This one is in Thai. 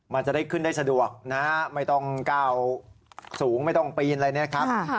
มันจะได้ขึ้นได้สะดวกนะฮะไม่ต้องก้าวสูงไม่ต้องปีนอะไรเนี่ยครับ